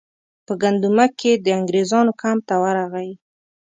په ګندمک کې د انګریزانو کمپ ته ورغی.